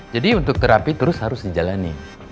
jadi untuk terapi terus harus dijalani